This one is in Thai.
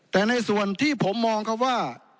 แต่ในส่วนที่ผมมองครับว่า